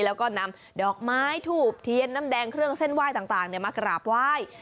แล้วก็นำดอกไม้ถูกเทียนน้ำแดงเครื่องเส้นไหว้ต่างมากราบไหว้